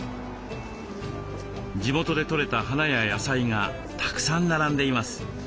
地元で採れた花や野菜がたくさん並んでいます。